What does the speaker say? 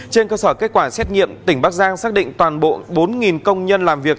trên cơ sở kết quả xét nghiệm tỉnh bắc giang xác định toàn bộ bốn công nhân làm việc